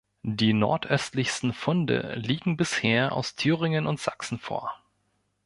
Die nordöstlichsten Funde liegen bisher aus Thüringen und Sachsen vor.